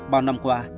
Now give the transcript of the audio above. bao năm qua